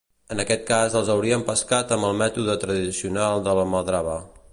En aquest cas els haurien pescat amb el mètode tradicional de l'almadrava.